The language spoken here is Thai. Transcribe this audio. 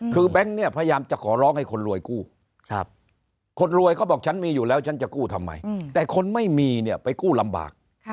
คือแบงค์เนี่ยพยายามจะขอร้องให้คนรวยกู้คนรวยเขาบอกฉันมีอยู่แล้วฉันจะกู้ทำไมแต่คนไม่มีเนี่ยไปกู้ลำบาก